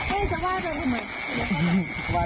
เราจะว่ายน้ำทำไม